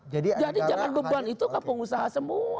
jadi jangan beban itu ke pengusaha semua